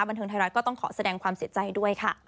บันเทิงไทยรัฐก็ต้องขอแสดงความเสียใจด้วยค่ะ